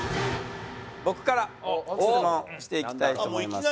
僕から質問していきたいと思います。